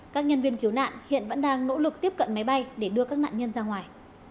các nhân viên cứu nạn hiện vẫn đang nỗ lực tiếp cận máy bay để đưa các nạn nhân ra ngoài